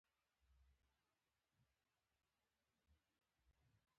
شرکتونه د بازار د مطالعې پراساس تولید کوي.